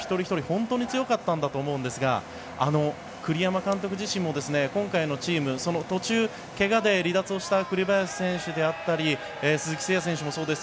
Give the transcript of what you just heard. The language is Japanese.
本当に強かったと思うんですが栗山監督自身も今回のチーム途中、怪我で離脱をした栗林選手であったり鈴木選手もそうです